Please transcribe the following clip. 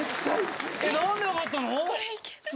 何で分かったの？